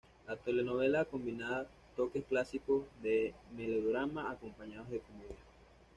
La telenovela combinaba toques clásicos de melodrama acompañados de comedia.